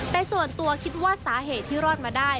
แต่ส่วนตัวคิดว่าสาเหตุที่รอดมาได้